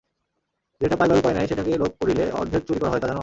যেটা পাইবার উপায় নাই সেটাকে লোভ করিলে অর্ধেক চুরি করা হয় তা জান!